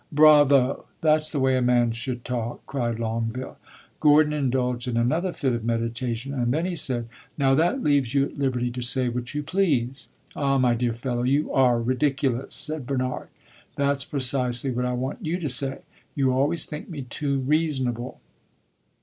"Bravo! That 's the way a man should talk," cried Longueville. Gordon indulged in another fit of meditation, and then he said "Now that leaves you at liberty to say what you please." "Ah, my dear fellow, you are ridiculous!" said Bernard. "That 's precisely what I want you to say. You always think me too reasonable."